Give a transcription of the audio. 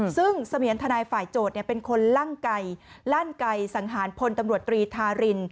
ซึ่งเสมียนทนายฝ่ายโจทย์เป็นคนลั่นไก่ลั่นไก่สังหารพลตำรวจตรีทาริน